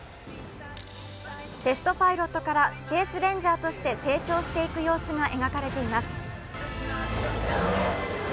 テストパイロットからスペースレンジャーとして成長していく様子が描かれています。